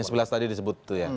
sebelas tadi disebut itu ya